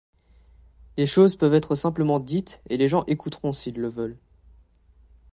Les choses peuvent être simplement dites et les gens écouteront s'ils le veulent.